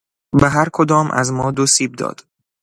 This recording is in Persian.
به هر کدام از ما دو سیب داد.